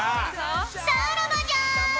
さらばじゃ！